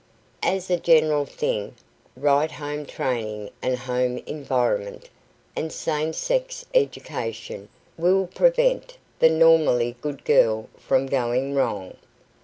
As a general thing, right home training and home environment, and sane sex education will prevent the normally good girl from going wrong.